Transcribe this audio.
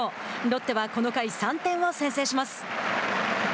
ロッテはこの回３点を先制します。